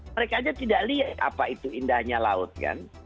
mereka aja tidak lihat apa itu indahnya laut kan